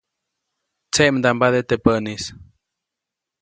Tseʼmdambade teʼ päʼnis.